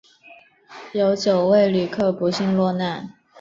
有九位旅客不幸罹难